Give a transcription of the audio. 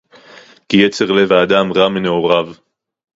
כי יצר לב האדם רע מנעוריו